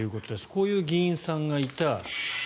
こういう議員さんがいた。